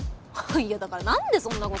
いやだからなんでそんな事を？